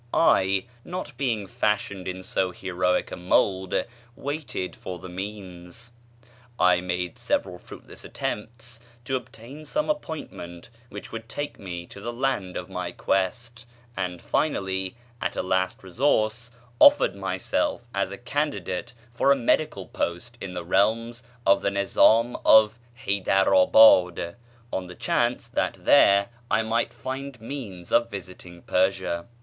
I, not being fashioned in so heroic a mould, waited for the means. I made several fruitless attempts to obtain some appointment which would take me to the land of my quest, and finally, as a last resource, offered myself as a candidate for a medical post in the realms of the Nizám of Haydarábád, on the chance that there I might find means of visiting Persia.